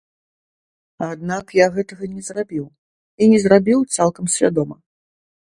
Аднак я гэтага не зрабіў, і не зрабіў цалкам свядома.